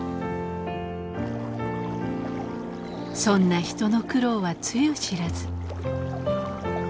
そんな人の苦労はつゆ知らず。